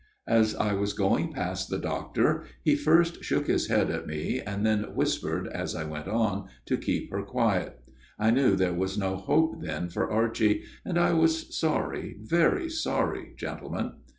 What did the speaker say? " As I was going past the doctor he first shook his head at me and then whispered, as I went on, to keep her quiet. I knew there was no hope then for Archie, and I was sorry, very sorry, gentlemen."